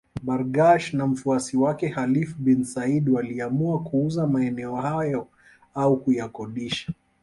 Bargash na mfuasi wake Khalifa bin Said waliamua kuuza maeneo hayo au kuyakodisha